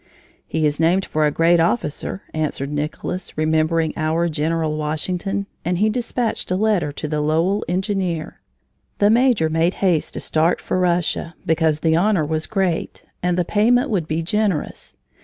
"He is named for a great officer," answered Nicolas, remembering our General Washington, and he dispatched a letter to the Lowell engineer. The major made haste to start for Russia, because the honor was great, and the payment would be generous.